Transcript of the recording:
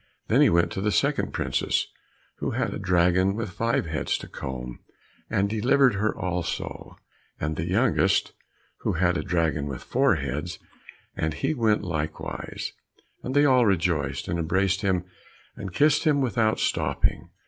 Then he went to the second princess, who had a dragon with five heads to comb, and delivered her also, and to the youngest, who had a dragon with four heads, he went likewise. And they all rejoiced, and embraced him and kissed him without stopping.